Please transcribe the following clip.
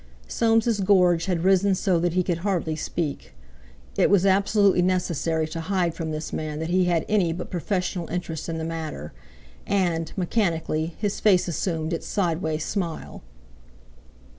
Soames' gorge had risen so that he could hardly speak. It was absolutely necessary to hide from this man that he had any but professional interest in the matter; and, mechanically, his face assumed its sideway smile.